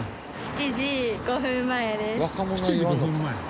７時５分前？